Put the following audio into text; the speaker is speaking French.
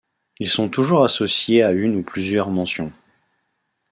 Ils sont toujours associés à une ou plusieurs mentions.